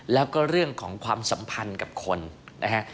แล้วก็เรื่องของความสัมพันธ์กับคนนะฮะ